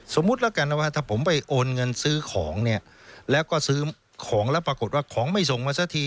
สมมุติแล้วกันนะว่าถ้าผมไปโอนเงินซื้อของเนี่ยแล้วก็ซื้อของแล้วปรากฏว่าของไม่ส่งมาสักที